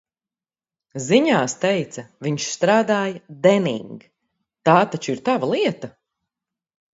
"Ziņās teica, viņš strādāja "Denning", tā taču ir tava lieta?"